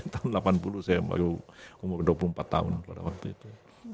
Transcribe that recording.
tahun delapan puluh saya baru umur dua puluh empat tahun pada waktu itu